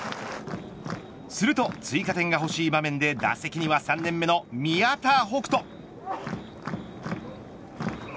すると追加点がほしい場面で打席には３年目の宮田輝星。